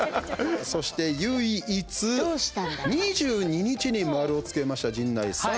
そして唯一２２日に丸をつけました、陣内さん。